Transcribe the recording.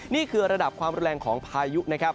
นี่คือระดับความแรงของพายุนะครับ